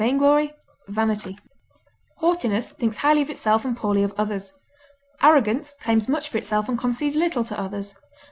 insolence, self esteem, Haughtiness thinks highly of itself and poorly of others. Arrogance claims much for itself and concedes little to others.